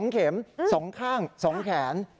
๒เข็ม๒ข้าง๒แขน